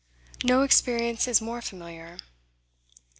No experience is more familiar.